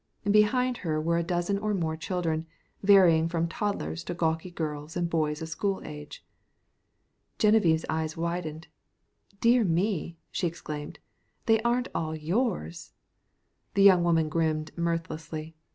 Behind her were a dozen or more children, varying from toddlers to gawky girls and boys of school age. Genevieve's eyes widened. "Dear me," she exclaimed, "they aren't all yours!" The young woman grinned mirthlessly.